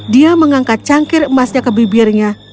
dia mengangkat cangkir emasnya ke bibirnya